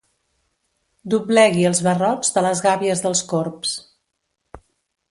Doblegui els barrots de les gàbies dels corbs.